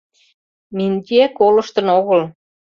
Минтье колыштын огыл.